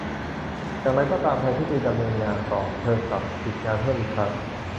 อย่างไรก็ตาม แทนที่จะดำเนินงานต่อ เธอกลับหยุดงานเพิ่มอีกครั้ง